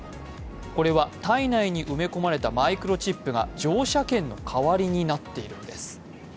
これは体内に埋め込まれたマイクロチップが乗車券の代わりになっているんです。